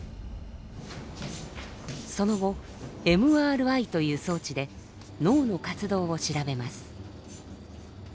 その後ＭＲＩという装置で脳の活動を調べます。